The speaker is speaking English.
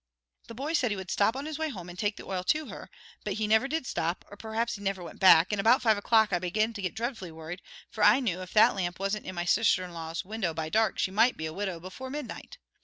The boy said he would stop on his way home and take the oil to her, but he never did stop, or perhaps he never went back, and about five o'clock I began to get dreadfully worried, for I knew if that lamp wasn't in my sister in law's window by dark she might be a widow before midnight.